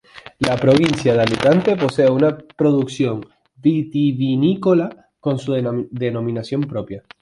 La provincia de Alicante posee una producción vitivinícola con su denominación propia.